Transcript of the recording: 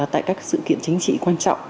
tại các sự kiện chính trị quan trọng